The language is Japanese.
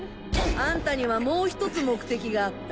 あんたにはもう一つ目的があった。